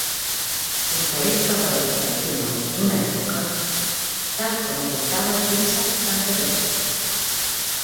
Oferisc el valor de testimoni d’una època, tal com apuntava el príncep Lampedusa.